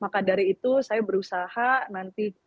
nah maka dari itu saya berusaha nanti apabila duduk di daerahnya sendiri